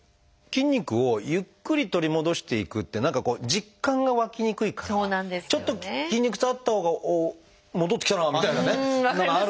筋肉をゆっくり取り戻していくって何かこう実感が湧きにくいからちょっと筋肉痛あったほうが戻ってきたなあみたいなね分かります。